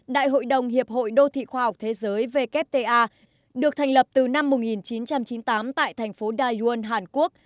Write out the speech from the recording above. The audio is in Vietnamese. đại hội đồng hiệp hội đô thị khoa học thế giới wta được thành lập từ năm một nghìn chín trăm chín mươi tám tại thành phố dayon hàn quốc